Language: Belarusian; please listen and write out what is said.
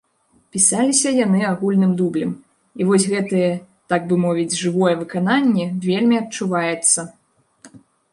Пісаліся яны агульным дублем і вось гэтае, так бы мовіць, жывое выкананне, вельмі адчуваецца.